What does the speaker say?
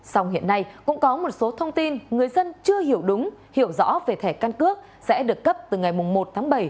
sau hiện nay cũng có một số thông tin người dân chưa hiểu đúng hiểu rõ về thẻ căn cước sẽ được cấp từ ngày một tháng bảy